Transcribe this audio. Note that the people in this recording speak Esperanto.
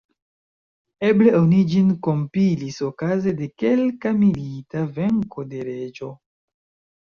Eble oni ĝin kompilis okaze de kelka milita venko de reĝo.